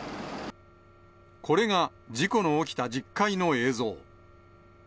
これが事故の起きた１０階の映像。